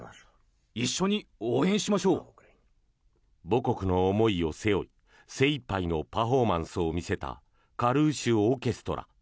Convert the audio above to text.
母国の思いを背負い精いっぱいのパフォーマンスを見せたカルーシュ・オーケストラ。